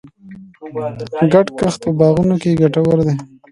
ګډ کښت په باغونو کې ګټور دی.